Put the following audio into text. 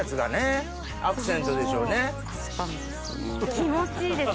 気持ちいいです